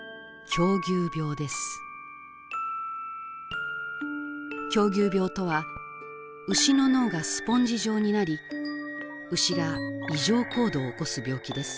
狂牛病とは牛の脳がスポンジ状になり牛が異常行動を起こす病気です。